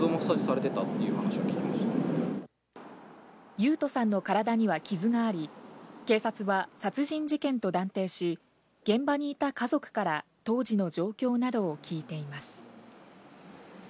勇人さんの体には傷があり、警察は殺人事件と断定し、現場にいた家族から当時の状況などを聞いています。